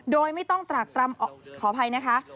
โดยไม่ต้องตรากตรำขออภัยนะคะ